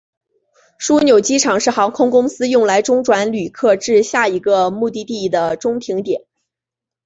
枢纽机场是航空公司用来中转旅客至下一个目的地的中停点。